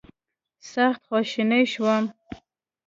سخت خواشینی شوم.